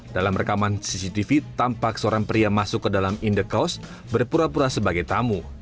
dalam rekaman cctv tampak seorang pria masuk ke dalam indekos berpura pura sebagai tamu